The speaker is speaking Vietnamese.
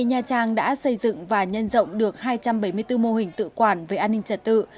nha trang đã xây dựng và nhân rộng được hai trăm bảy mươi bốn mô hình tự quản về an ninh trật tự